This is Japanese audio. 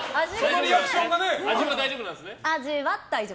味は大丈夫なんですか？